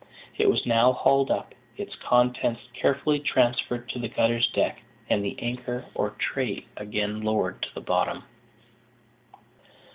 It was now hauled up, its contents carefully transferred to the cutter's deck, and the anchor or tray again lowered to the bottom.